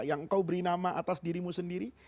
yang kau beri nama atas dirimu sendiri